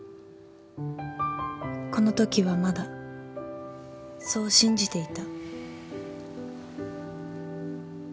このときはまだそう信じていた